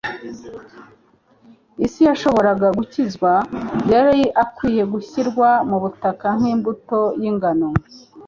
isi yashoboraga gukizwa; yari akwiriye gushyirwa mu butaka nk'imbuto y'ingano,